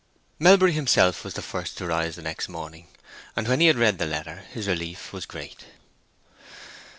Melbury himself was the first to rise the next morning, and when he had read the letter his relief was great.